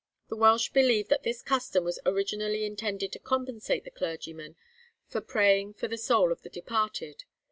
The Welsh believe that this custom was originally intended to compensate the clergyman for praying for the soul of the departed.